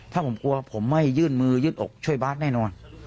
ถ้าผมกลัวผมไม่ยื่นมือยืดอกช่วยบาทแน่นอน